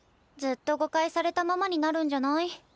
ずっと誤解されたままになるんじゃない？